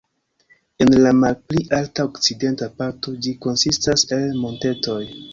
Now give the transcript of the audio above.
En la malpli alta okcidenta parto ĝi konsistas el montetoj.